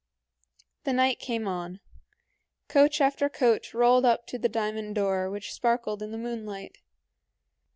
The night came on. Coach after coach rolled up to the diamond door, which sparkled in the moonlight.